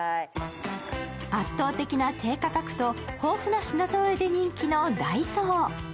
圧倒的な低価格と豊富な品ぞろえで人気のダイソー。